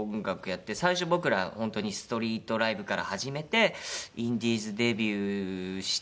最初僕ら本当にストリートライブから始めてインディーズデビューして。